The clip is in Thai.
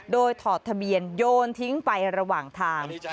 โดยถอดทะเบียนโยนทิ้งไประหว่างทาง